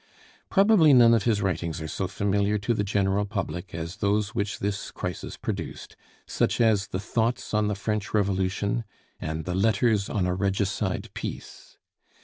Probably none of his writings are so familiar to the general public as those which this crisis produced, such as the 'Thoughts on the French Revolution' and the 'Letters on a Regicide Peace.'